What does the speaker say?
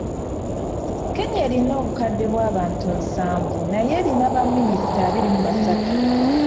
Kenya erina obukadde bw’abantu nsanvu naye erina baminisita abiri mu basatu.